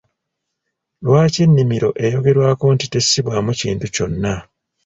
Lwaki ennimiro eyogerwako nti tesimbwamu kintu kyonna?